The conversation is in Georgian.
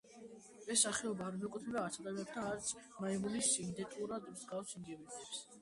ეს სახეობა არ მიეკუთვნება არც ადამიანისა და არც მაიმუნის იდენტურად მსგავს ინდივიდებს.